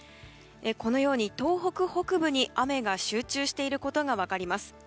このように東北北部に雨が集中していることが分かります。